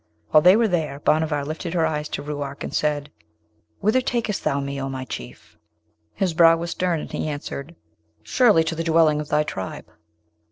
While they were there Bhanavar lifted her eyes to Ruark, and said, 'Whither takest thou me, O my Chief?' His brow was stern, and he answered, 'Surely to the dwelling of thy tribe.'